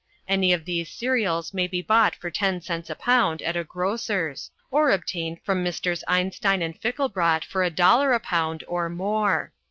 Any of these cereals may be bought for ten cents a pound at a grocer's or obtained from Messrs. Einstein & Fickelbrot for a dollar a pound, or more.